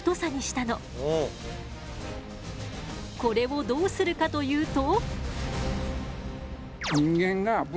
これをどうするかというと？